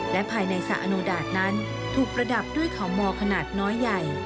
และภายในสระอโนดาตนั้นถูกประดับด้วยเขามอขนาดน้อยใหญ่